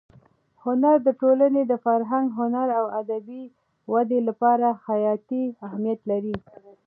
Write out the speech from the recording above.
هنر د ټولنې د فرهنګ، هنر او ادبي ودې لپاره حیاتي اهمیت لري.